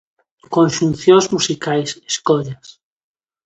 Conxuncións musicais, escollas...